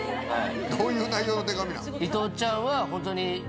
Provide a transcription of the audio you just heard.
どういう内容の手紙なの？